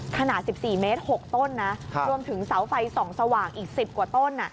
ขนาด๑๔เมตร๖ต้นนะรวมถึงเสาไฟส่องสว่างอีก๑๐กว่าต้น